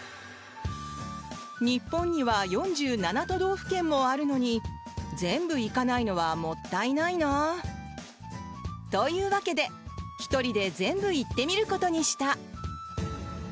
日本には４７都道府県もあるのに全部行かないのはもったいないなあ。というわけで１人で全部行ってみることにした。